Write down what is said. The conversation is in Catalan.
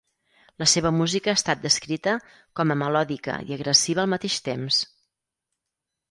La seva música ha estat descrita com a melòdica i agressiva al mateix temps.